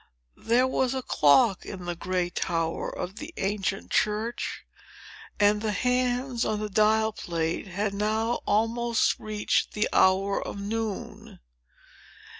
There was a clock in the gray tower of the ancient church; and the hands on the dial plate had now almost reached the hour of noon.